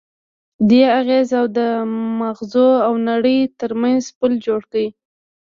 دې اغېز د ماغزو او نړۍ ترمنځ پُل جوړ کړ.